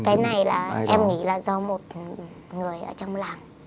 cái này là em nghĩ là do một người ở trong làng